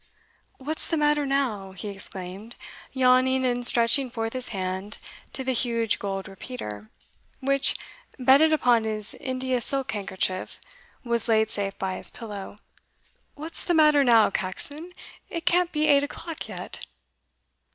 "What's the matter now?" he exclaimed, yawning and stretching forth his hand to the huge gold repeater, which, bedded upon his India silk handkerchief, was laid safe by his pillow "what's the matter now, Caxon? it can't be eight o'clock yet."